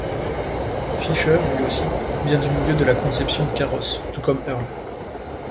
Fisher, lui aussi, vient du milieu de la conception de carrosses, tout comme Earl.